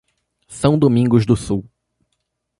São Domingos do Sul